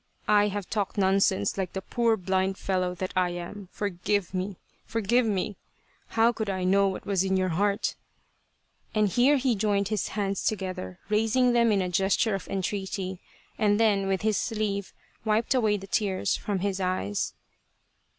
I have talked nonsense like the poor blind fellow that I am. Forgive me, forgive me ! How could I know what was in your heart ?" and here he joined his hands together, raising them in a gesture of entreaty, and then, with his sleeve, wiped away the tears from his eyes.